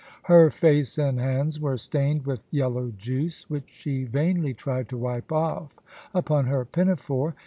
Her face and hands were stained with yellow juice, which she vainly tried to wipe off upon her pinafore.